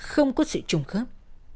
không có sự trùng khớp